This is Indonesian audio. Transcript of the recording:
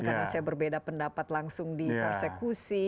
karena saya berbeda pendapat langsung dikonsekusi